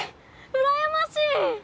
うらやましい！